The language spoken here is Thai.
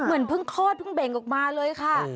เหมือนเพิ่งคลอดเพิ่งเบ่งออกมาเลยค่ะ